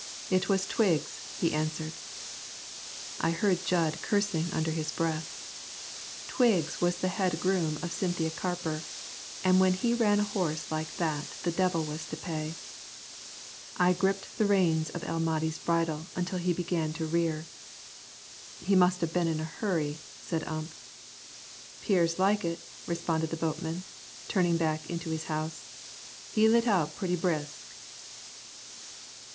"It was Twiggs," he answered. I heard Jud cursing under his breath. Twiggs was the head groom of Cynthia Carper, and when he ran a horse like that the devil was to pay. I gripped the reins of El Mahdi's bridle until he began to rear. "He must have been in a hurry," said Ump. "'Pears like it," responded the boatman, turning back into his house. "He lit out pretty brisk."